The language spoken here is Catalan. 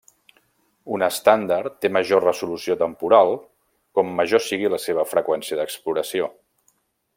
Un estàndard té major resolució temporal com major sigui la seva freqüència d'exploració.